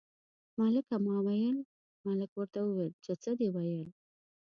ملکه ما ویل، ملک ورته وویل چې څه دې ویل.